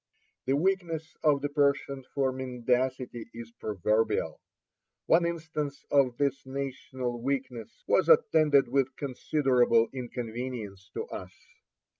The weakness of the Persian for mendacity is proverbial. One instance of this national weakness was attended with considerable inconvenience to us.